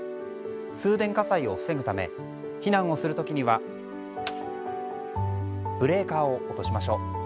通電火災を防ぐため避難をする時にはブレーカーを落としましょう。